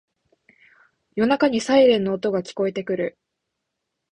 夜中にサイレンの音が聞こえてくる